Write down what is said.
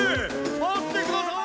待ってください！